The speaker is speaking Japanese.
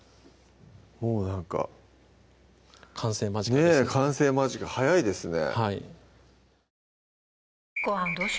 もうなんか完成間近ですねぇ完成間近早いですね